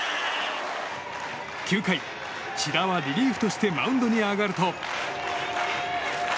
９回、千田はリリーフとしてマウンドに上がると。